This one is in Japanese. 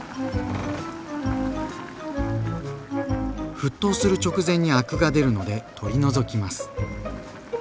沸騰する直前にアクが出るので取り除きます。